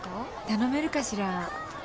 頼めるかしら？